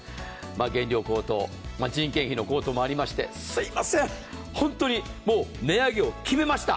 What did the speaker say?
原料高騰、人件費の高騰もありましてすみません、本当に、もう値上げを決めました。